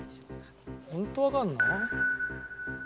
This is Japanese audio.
ホントわかるの？